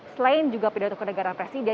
selain juga pidato kenegaraan presiden